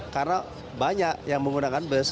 karena banyak yang menggunakan bus